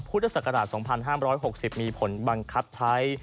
พุทธศักราช๒๕๖๐มีผลบังคับใช้